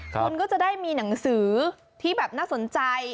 คุณก็จะได้มีหนังสือที่แบบน่าสนใจ